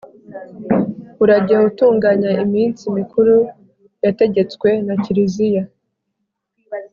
Urajye utunganya iminsi mikuru yategetswe na Kiliziya.